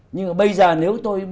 nhưng mà bây giờ nếu tôi